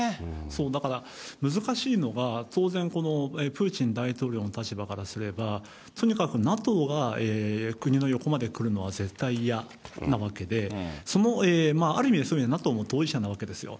そう、だから、難しいのが、当然、このプーチン大統領の立場からすれば、とにかくＮＡＴＯが国の横まで来るのは絶対嫌なわけで、その、ある意味でＮＡＴＯも当事者なわけですよ。